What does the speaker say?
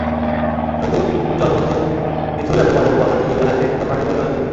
নতুন চলনতুন কিছু ল্যাপটপ বাজারে পাওয়া যাচ্ছে, যেগুলো হাইব্রিড কনভার্টিবল নামে পরিচিত।